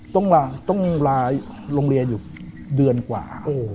ต้องลาโรงเรียนอยู่เดือนกว่า